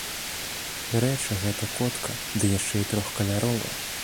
Дарэчы, гэта котка, ды яшчэ і трохкаляровая.